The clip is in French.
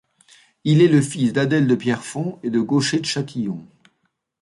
Il est le fils d'Adèle de Pierrefonds et de Gaucher de Châtillon.